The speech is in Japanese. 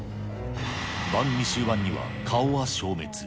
番組終盤には顔は消滅。